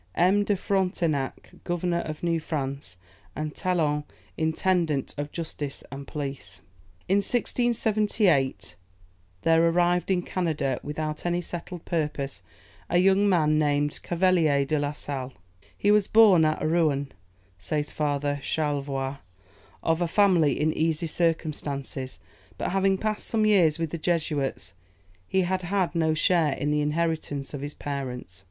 M. de Frontenac, Governor of New France, and Talon, intendant of justice and police. In 1678, there arrived in Canada, without any settled purpose, a young man named Cavelier de la Sale. "He was born at Rouen," says Father Charlevoix, "of a family in easy circumstances; but having passed some years with the Jesuits, he had had no share in the inheritance of his parents.